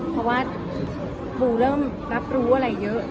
เพราะว่าปูเริ่มรับรู้อะไรเยอะ